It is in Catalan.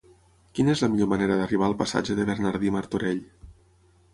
Quina és la millor manera d'arribar al passatge de Bernardí Martorell?